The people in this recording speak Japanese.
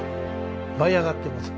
舞い上がってます。